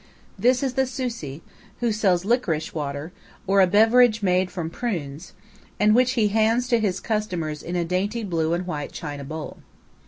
This is the "sussi," who sells liquorice water, or a beverage made from prunes, and which he hands to his customers in a dainty blue and white china bowl.